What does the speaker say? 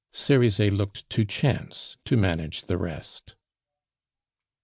Cerizet looked to chance to manage the rest.